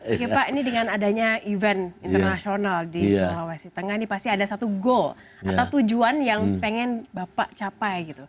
oke pak ini dengan adanya event internasional di sulawesi tengah ini pasti ada satu goal atau tujuan yang pengen bapak capai gitu